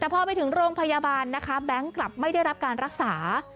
แต่พอไปถึงโรงพยาบาลนะคะแบงค์กลับไม่ได้รับการรักษา